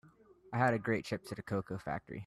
I had a great trip to a cocoa factory.